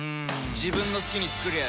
自分の好きに作りゃいい